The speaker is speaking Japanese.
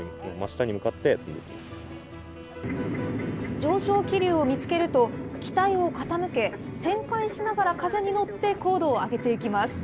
上昇気流を見つけると、機体を傾け、旋回しながら風に乗って高度を上げていきます。